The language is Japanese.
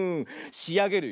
しあげるよ。